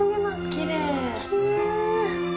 きれい。